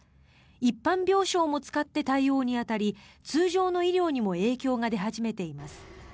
一般病床も使って対応に当たり通常の医療にも影響が出始めています。